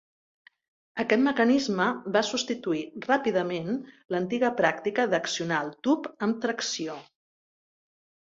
Aquest mecanisme va substituir ràpidament l'antiga pràctica d'accionar el tub amb tracció.